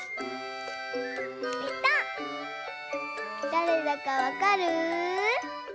だれだかわかる？